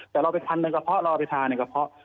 แต่เราไปพันในกระเพาะเราเอาไปทาในกระเพาะ